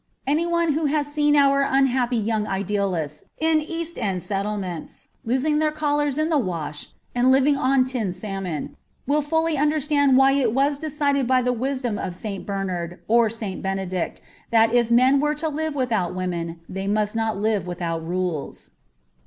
Anyone who has seen our unhappy young idealists in East End settlements losing their collars in the wash and living on tinned salmon, will fully understand why it was decided by the wisdom of St. Bernard or St. Benedict that if men were to live without women, they must not live without rules.